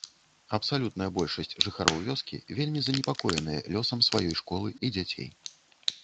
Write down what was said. Абсалютная большасць жыхароў вёскі вельмі занепакоеныя лёсам сваёй школы і дзяцей.